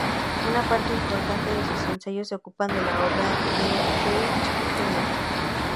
Una parte importante de sus ensayos se ocupan de la obra de Heinrich Heine.